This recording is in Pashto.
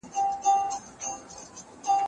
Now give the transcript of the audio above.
که ماشین نه وای نو توري به نه لیدل کېدل.